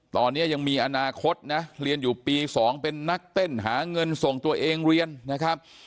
ตอนนี้ยังมีอนาคตนะเรียนอยู่ปี๒เป็นนักเต้นหาเงินส่งตัวเองเรียนนะครับ